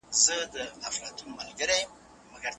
د بدن غړي په هر حالت کي په حرکت کي وساتئ.